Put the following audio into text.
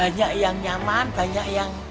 banyak yang nyaman banyak yang